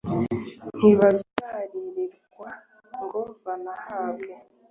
Ntibazaririrwa ngo banahambwe